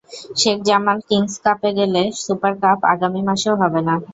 Sheikh Jamal Kings কাপে গেলে super cup আগামী মাসেও হবে না।